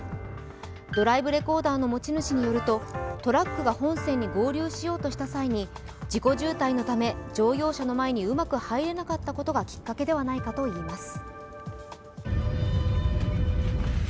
ドライブレコーダーの持ち主によるとトラックが本線に合流しようとした際に、事故渋滞のため乗用車の前にうまく入れなかったことがきっかけではないかといいます。